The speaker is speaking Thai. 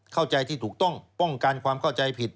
เข้าใจที่ถูกต้องป้องกันความเข้าใจผิด